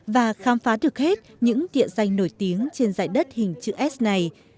và khám phá được hết những tiện danh nổi tiếng trên dãy đất hình chữ s này